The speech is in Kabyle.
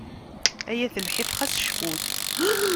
Ay at lḥif xas cfut.